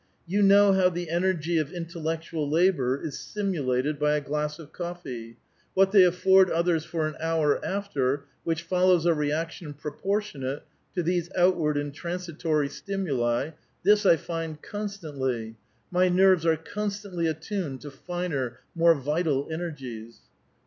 You know how the energy of intellectual labor is simulated by a glass of coffee ; what they afford others for an hour after, which follows a reaction proportionate to these outward and transi tory stimuli, this I find constantly ; my nerves are con stantly attuned to finer, more vital energies."